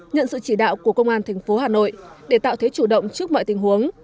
nhận sự chỉ đạo của công an tp hà nội để tạo thế chủ động trước mọi tình huống